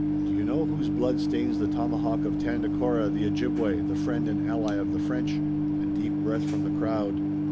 "Do you know whose blood stains the tomahawk of Tandakora, the Ojibway, the friend and ally of the French?" A deep breath from the crowd.